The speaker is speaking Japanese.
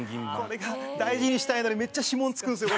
これが大事にしたいのにめっちゃ指紋つくんですよ。